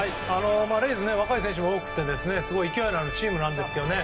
レイズは若い選手も多くすごい勢いのあるチームなんですよね。